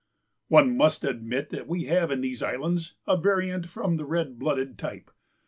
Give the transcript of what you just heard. "One must admit that we have in these Islands a variant from the red blooded type.